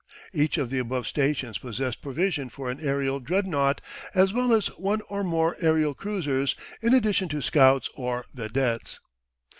Each of the above stations possessed provision for an aerial Dreadnought as well as one or more aerial cruisers, in addition to scouts or vedettes.